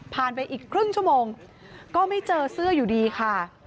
ไปอีกครึ่งชั่วโมงก็ไม่เจอเสื้ออยู่ดีค่ะ